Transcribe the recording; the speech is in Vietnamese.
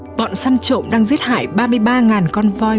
người sân trộm đang giết hại ba mươi ba con voi